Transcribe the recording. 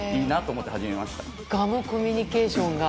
ガムコミュニケーションが。